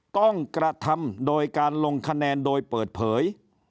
กระทำโดยการลงคะแนนโดยเปิดเผย